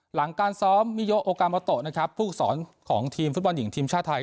หลังการซ้อมมิโยโอกาโมโตนะครับผู้สอนของทีมฟุตบอลหญิงทีมชาติไทย